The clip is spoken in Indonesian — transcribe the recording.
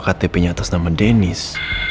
ktp nya atas nama denis